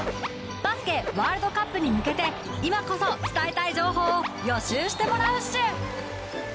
バスケワールドカップに向けて今こそ伝えたい情報を予習してもらうっシュ！